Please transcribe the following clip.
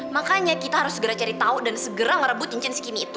makanya kita harus segera cari tahu dan segera merebut cincin si kimi itu